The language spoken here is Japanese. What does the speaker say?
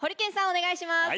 お願いします。